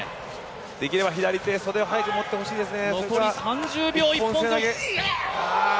できれば左手、袖は早く持ってほしいですね。